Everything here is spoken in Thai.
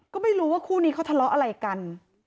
ก็ไม่รู้ว่าคู่นี้เขาทะเลาะอะไรกัน